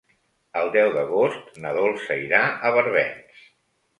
El deu d'agost na Dolça irà a Barbens.